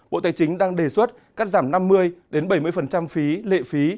bộ tài chính đang đề xuất cắt giảm năm mươi bảy mươi phí lệ phí